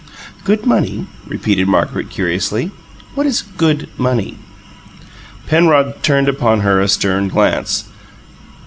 "'Good money'?" repeated Margaret, curiously. "What is 'good' money?" Penrod turned upon her a stern glance.